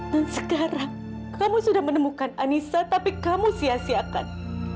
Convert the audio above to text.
dan sekarang kamu sudah menemukan anissa tapi kamu sia siakan